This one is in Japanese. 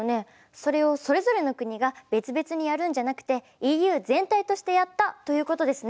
それをそれぞれの国が別々にやるんじゃなくてＥＵ全体としてやったということですね。